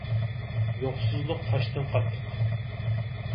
يوقسۇزلۇق تاشتىن قاتتىق.